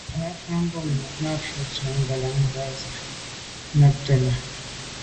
Rǎfàá’ ngômnâ’ nû fâ’ tɔ̌ ngə̀lâŋ fǎ zə̄ bū jâ nàptə́ lá.